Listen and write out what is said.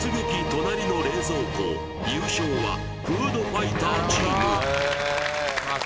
隣の冷蔵庫優勝はフードファイターチームまあ